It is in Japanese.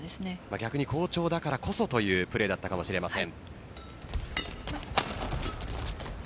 逆に好調だからこそというプレーだったかもしれません。